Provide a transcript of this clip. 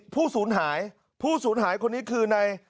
ผู้ศูนย์หายผู้ศูนย์หายคนนี้คือใน